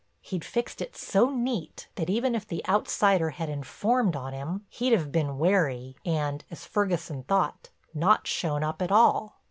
He'd fixed it so neat that even if the outsider had informed on him, he'd have been wary, and, as Ferguson thought, not shown up at all.